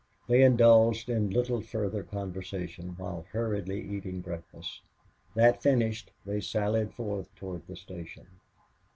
They indulged in little further conversation while hurriedly eating breakfast. That finished, they sallied forth toward the station.